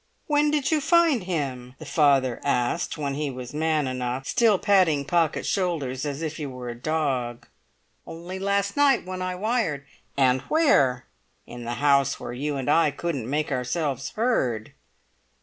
"When did you find him?" the father asked when he was man enough, still patting Pocket's shoulders as if he were a dog. "Only last night when I wired." "And where?" "In the house where you and I couldn't make ourselves heard."